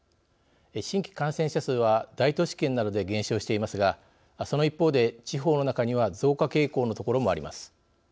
新規感染者数は大都市圏などで減少していますがその一方で、地方の中には増加傾向の所もあります。